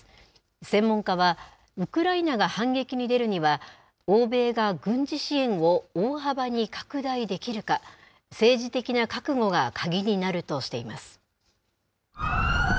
専門家は、ウクライナが反撃に出るには、欧米が軍事支援を大幅に拡大できるか、政治的な覚悟が鍵になるとしています。